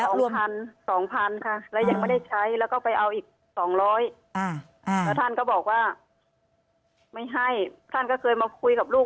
เพราะท่านมีอะไรท่านก็ไม่ค่อยจะบอกลูก